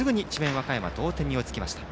和歌山が同点に追いつきました。